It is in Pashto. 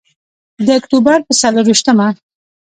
د اکتوبر په څلور ویشتمه.